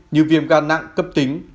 như viêm gan nặng cấp tính